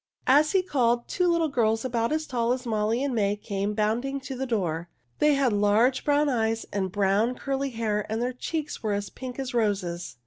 As he called, two little girls about as tall as Molly and May came bounding to the door. They had large brown eyes and brown, curly hair, and their cheeks were as pink as roses.